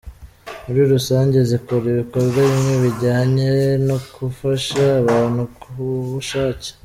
Muri rusange zikora ibikorwa bimwe bijyanye no gufasha abantu ku bushake.